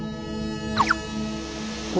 これ